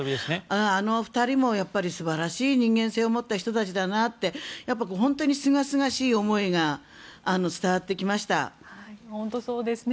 あの２人もやっぱり素晴らしい人間性を持った２人だなって本当にすがすがしい思いが本当にそうですね。